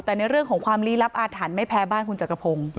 แต่ในเรื่องของความลี้ลับอาถรรพ์ไม่แพ้บ้านคุณจักรพงศ์